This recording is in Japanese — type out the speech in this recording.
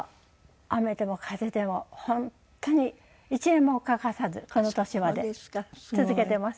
雨でも風でも本当に１年も欠かさずこの年まで続けてます。